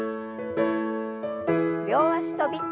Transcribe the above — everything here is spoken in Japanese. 両脚跳び。